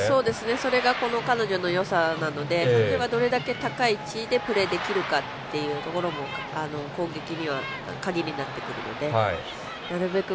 それがこの彼女のよさなのでどれだけ高い位置でプレーできるかっていうところも攻撃には鍵になってくるのでなるべく